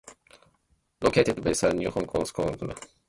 Located beside New Hong Kong Restaurant and City of Dreams.